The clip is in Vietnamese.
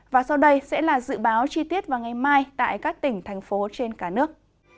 và sau đây sẽ là dự báo chi tiết vào ngày mai tại các tỉnh thành phố trên cả nước